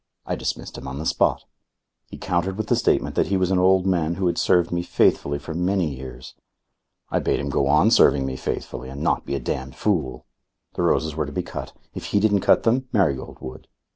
I dismissed him on the spot. He countered with the statement that he was an old man who had served me faithfully for many years. I bade him go on serving me faithfully and not be a damned fool. The roses were to be cut. If he didn't cut them, Marigold would.